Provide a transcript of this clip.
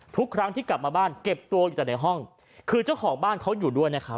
ทุกครั้งที่กลับมาบ้านเก็บตัวอยู่แต่ในห้องคือเจ้าของบ้านเขาอยู่ด้วยนะครับ